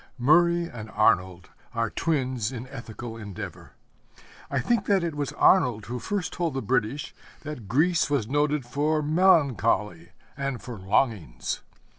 Murray and Arnold are twins in ethical endeavor. I think that it was Arnold who first told the British that Greece was noted for melancholy and for longings.